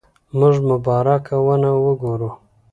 موږ مبارکه ونه وګورو.